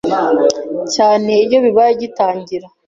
cyane iyo bibaye igitangira